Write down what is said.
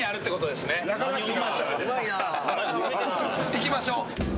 行きましょう。